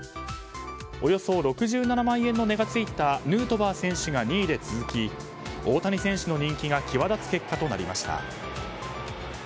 およそ６７万円の値がついたヌートバー選手が２位で続き、大谷選手の人気が際立つ結果となりました。